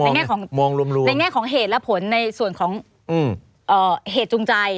ในแง่ของเหตุและผลในส่วนของเหตุจูงใจ